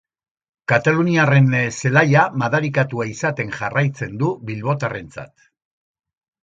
Kataluniarren zelaia madarikatua izaten jarraitzen du bilbotarrentzat.